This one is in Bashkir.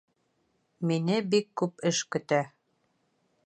Мине бик күп эш көтә